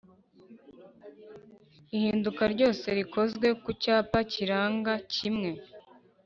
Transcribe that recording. Ihinduka ryose rikozwe ku cyapa kiranga kimwe